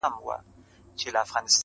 ما درته نه ويل لمنه به دي اور واخلي ته~